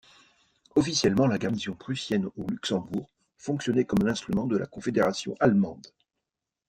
Officiellement, la garnison prussienne au Luxembourg fonctionnait comme un instrument de la Confédération allemande.